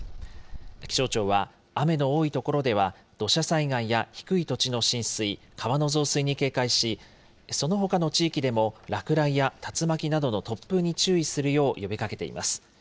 気象庁は雨の多い所では、土砂災害や低い土地の浸水、川の増水に警戒し、そのほかの地域でも落雷や竜巻などの突風に注意するよう呼びかけています。